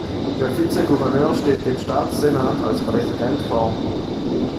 Der Vizegouverneur steht dem Staatssenat als Präsident vor.